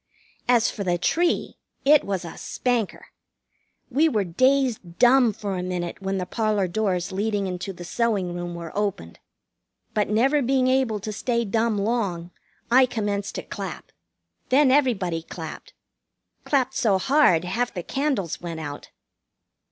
As for the tree, it was a spanker. We were dazed dumb for a minute when the parlor doors leading into the sewing room were opened. But never being able to stay dumb long, I commenced to clap. Then everybody clapped. Clapped so hard half the candles went out.